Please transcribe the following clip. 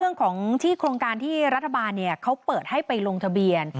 เรื่องของที่โครงการที่รัฐบาลเขาเปิดให้ไปลงทะเบียน